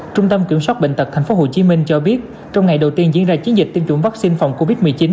trung tâm kiểm soát bệnh tật tp hcm cho biết trong ngày đầu tiên diễn ra chiến dịch tiêm chủng vaccine phòng covid một mươi chín